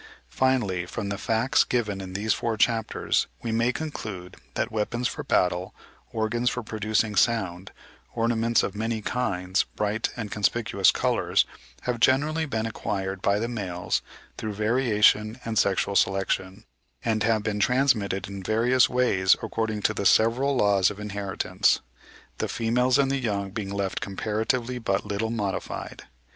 Finally, from the facts given in these four chapters, we may conclude that weapons for battle, organs for producing sound, ornaments of many kinds, bright and conspicuous colours, have generally been acquired by the males through variation and sexual selection, and have been transmitted in various ways according to the several laws of inheritance—the females and the young being left comparatively but little modified.